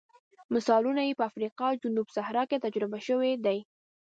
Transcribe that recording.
مثالونه یې په افریقا جنوب صحرا کې تجربه شوي دي.